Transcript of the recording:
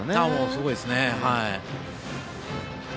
すごいですね。